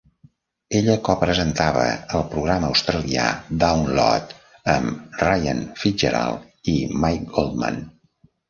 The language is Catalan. Ella co-presentava el programa australià "Download" amb Ryan Fitzgerald i Mike Goldman.